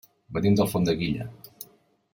Venim d'Alfondeguilla.